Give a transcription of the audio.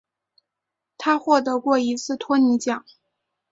他获得过一次托尼奖。